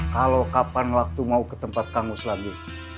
kalau kapan waktu mau ke tempat kang mus lagi